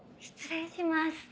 失礼します。